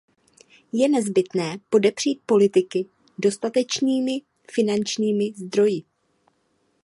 Je nezbytné podepřít politiky dostatečnými finančními zdroji.